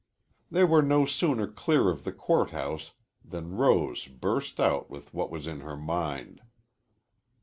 They were no sooner clear of the court house than Rose burst out with what was in her mind.